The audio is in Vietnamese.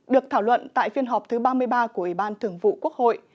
được thảo luận tại phiên họp thứ ba mươi ba của ủy ban thường vụ quốc hội